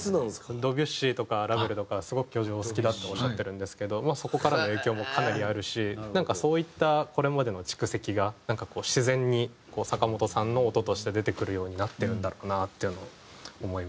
ドビュッシーとかラヴェルとかすごく教授がお好きだっておっしゃってるんですけどそこからの影響もかなりあるしなんかそういったこれまでの蓄積がなんかこう自然に坂本さんの音として出てくるようになってるんだろうなっていうのを思いますね。